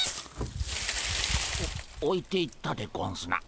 おおいていったでゴンスな。